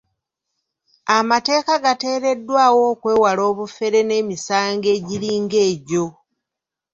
Amateeka gateekeddwawo okwewala obufere n'emisango egiringa egyo.